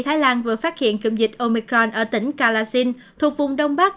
thái lan vừa phát hiện cụm dịch omicron ở tỉnh kalashin thuộc vùng đông bắc